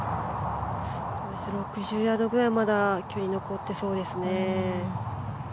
６０ヤードくらい距離が残ってそうですね。